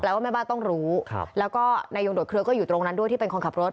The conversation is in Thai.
ว่าแม่บ้านต้องรู้แล้วก็นายยงโดดเครือก็อยู่ตรงนั้นด้วยที่เป็นคนขับรถ